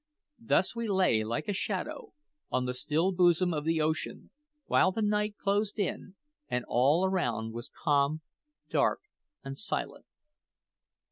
Thus we lay, like a shadow, on the still bosom of the ocean, while the night closed in, and all around was calm, dark, and silent.